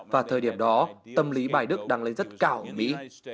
và thời điểm đó tâm lý bài đức đang lên rất cao ở mỹ